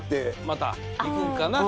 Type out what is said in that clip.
また行くんかな？